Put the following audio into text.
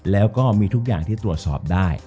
แล้วก็มีทุกอย่างที่ตรวจสอบได้